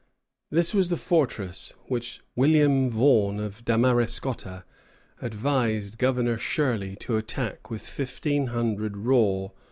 This was the fortress which William Vaughan of Damariscotta advised Governor Shirley to attack with fifteen hundred raw New England militia.